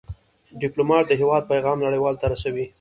ډيپلومات د هېواد پېغام نړیوالو ته رسوي.